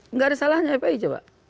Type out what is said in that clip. nggak ada salahnya fpi coba